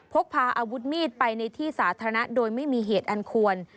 พกพาอาวุธมีดไปในที่สาธารณะโดยไม่มีเหตุอันควร